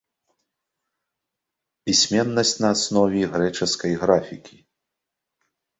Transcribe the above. Пісьменнасць на аснове грэчаскай графікі.